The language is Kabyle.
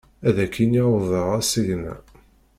Ad ak-yini wwḍeɣ asigna.